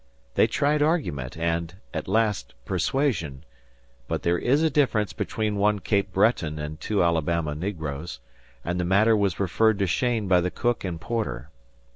They tried argument and, at last, persuasion; but there is a difference between one Cape Breton and two Alabama negroes, and the matter was referred to Cheyne by the cook and porter.